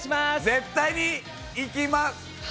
絶対に行きます。